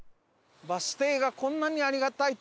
バス停がこんなにありがたいとは。